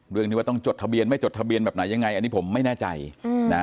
เรื่องนี้ว่าต้องจดทะเบียนไม่จดทะเบียนแบบไหนยังไงอันนี้ผมไม่แน่ใจนะ